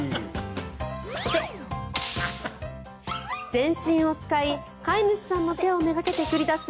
全身を使い飼い主さんの手をめがけて繰り出す